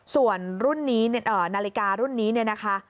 ส่วนนาฬิการุ่นนี้นะคะ